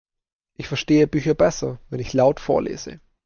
Ich verstehe Bücher besser, wenn ich laut vorlese.